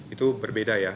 itu berbeda ya